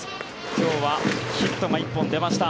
今日はヒットが１本出ました。